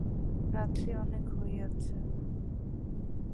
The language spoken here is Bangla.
রাত্রি অনেক হইয়াছে।